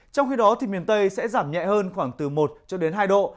trong khi đó miền tây sẽ giảm nhẹ hơn khoảng từ một đến hai độ